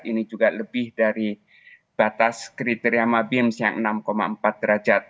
ini juga lebih dari batas kriteria mabiams yang enam empat derajat